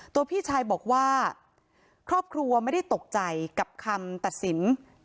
พี่ชายบอกว่าครอบครัวไม่ได้ตกใจกับคำตัดสิน